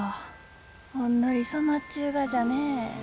ほんのり染まっちゅうがじゃね。